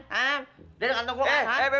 hah dari kantong gue kan